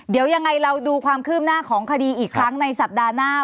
เดี๋ยวยังไงเราดูความคืบหน้าของคดีอีกครั้งในสัปดาห์หน้า